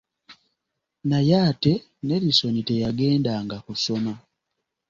Naye ate Nelisoni ye teyagendanga kusoma.